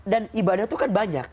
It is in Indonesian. dan ibadah tuh kan banyak